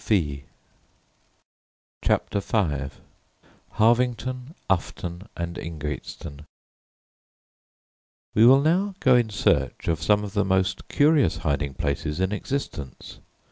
_] CHAPTER V HARVINGTON, UFTON, AND INGATESTONE We will now go in search of some of the most curious hiding places in existence.